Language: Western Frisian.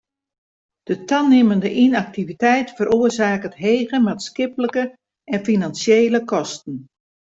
De tanimmende ynaktiviteit feroarsaket hege maatskiplike en finansjele kosten.